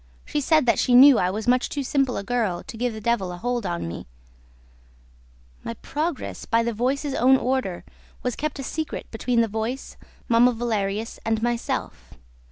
She said that she knew I was much too simple a girl to give the devil a hold on me ... My progress, by the voice's own order, was kept a secret between the voice, Mamma Valerius and myself.